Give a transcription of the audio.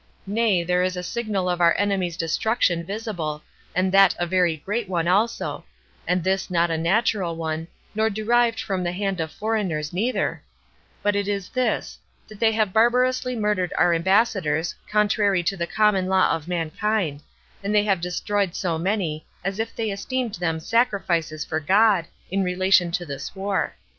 Nay, there is a signal of our enemies' destruction visible, and that a very great one also; and this is not a natural one, nor derived from the hand of foreigners neither, but it is this, that they have barbarously murdered our ambassadors, contrary to the common law of mankind; and they have destroyed so many, as if they esteemed them sacrifices for God, in relation to this war.